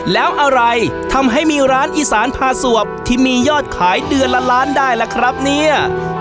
แล้วอะไรทำให้มีร้านอีสานพาสวบที่มียอดขายเดือนละล้านได้ล่ะครับเนี่ย